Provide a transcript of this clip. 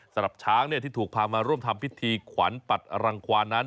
สำหรับช้างที่ถูกพามาร่วมทำพิธีขวัญปัดอรังควานนั้น